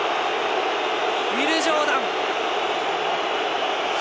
ウィル・ジョーダン。